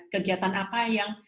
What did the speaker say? kegiatan apa yang